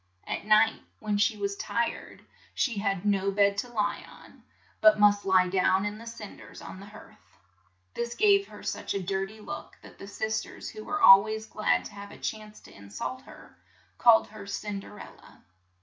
At night, when she was '3S)J(j&{» tired, she had no bed to lie on, but must lie down in the cin ders on the hearth. This gave her such a dir ty look that the sis ters, who were al ways glad to have a chance to in sult her, called her Cin der el la.